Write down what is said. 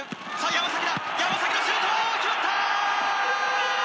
山のシュート決まった！